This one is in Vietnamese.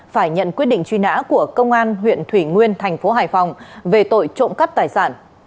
phải nhận quyết định truy nã của công an huyện thủy nguyên tp hải phòng về tội trộm cắt tài sản